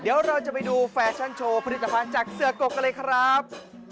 เดี๋ยวเราจะไปดูแฟชั่นโชว์ผลิตภัณฑ์จากเสือกกกันเลยครับ